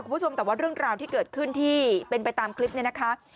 คุณผู้ชมแต่ว่าเรื่องราวที่เกิดขึ้นที่เป็นไปตามคลิปนี้นะคะ